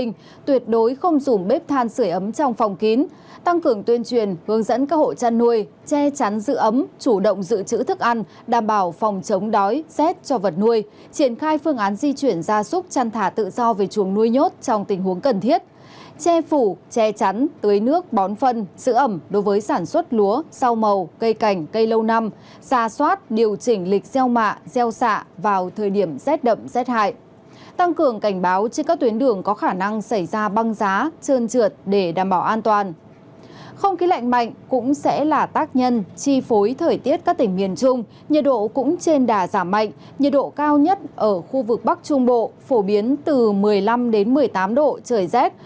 nhiệt độ cũng trên đà giảm mạnh nhiệt độ cao nhất ở khu vực bắc trung bộ phổ biến từ một mươi năm một mươi tám độ trời rét